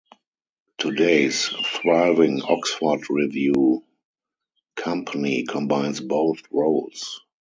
Today's thriving Oxford Revue company combines both roles.